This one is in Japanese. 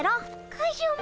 カジュマ！